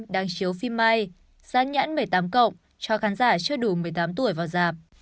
đang chiếu phim mai gián nhãn một mươi tám cho khán giả chưa đủ một mươi tám tuổi vào giảp